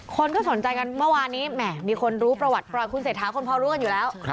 คนก็สนใจกันเมื่อวานนี้แหมมีคนรู้ประวัติปล่อยคุณเศรษฐาคนพอรู้กันอยู่แล้ว